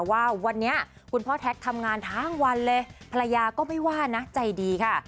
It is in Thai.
ว่าวันนี้คุณพ่อแท็กทำงานทั้งวันเลยภรรยาก็ไม่ว่านะใจดีค่ะ